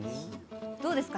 どうですか？